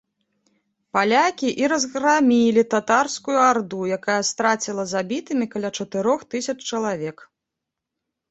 Палякі і разграмілі татарскую арду, якая страціла забітымі каля чатырох тысяч чалавек.